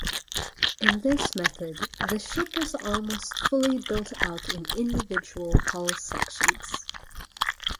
In this method, the ship was almost fully built out in individual hull sections.